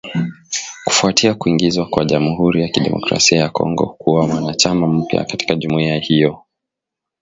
Kufuatia kuingizwa kwa Jamuhuri ya Kidemokrasia ya Kongo kuwa mwanachama mpya katika jumuiya hiyo